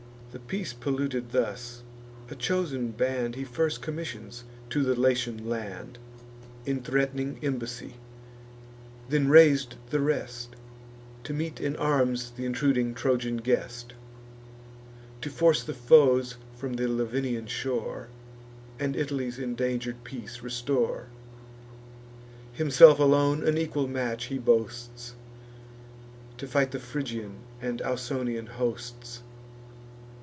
The peace polluted thus, a chosen band He first commissions to the Latian land, In threat'ning embassy; then rais'd the rest, To meet in arms th' intruding Trojan guest, To force the foes from the Lavinian shore, And Italy's indanger'd peace restore. Himself alone an equal match he boasts, To fight the Phrygian and Ausonian hosts.